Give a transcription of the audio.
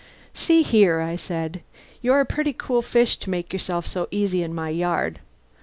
"See here," I said. "You're a pretty cool fish to make yourself so easy in my yard.